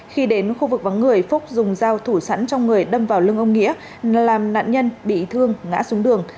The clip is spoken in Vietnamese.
khi đến khu vực vắng người phúc dùng dao thủ sẵn trong người đâm vào lưng ông nghĩa làm nạn nhân bị thương ngã xuống đường